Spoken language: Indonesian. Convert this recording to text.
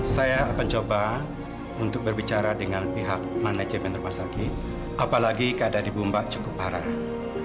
saya akan coba untuk berbicara dengan pihak manajemen rumah sakit apalagi keadaan di bumba cukup parah